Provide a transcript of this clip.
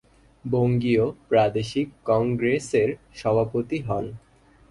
বঙ্গীয় প্রাদেশিক কংগ্রেসের সভাপতি হন।